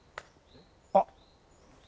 あっ。